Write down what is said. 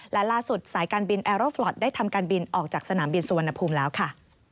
และล่าสุดสายการบินแอโรฟลอทได้ทำการบินออกจากสนามบินสุวรรณภูมิแล้วค่ะ